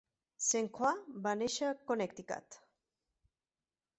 Saint Croix va néixer Connecticut.